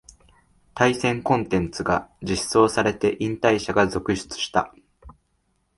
対戦コンテンツが実装されて引退者が続出した